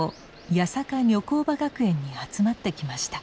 八坂女紅場学園に集まってきました。